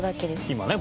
今ね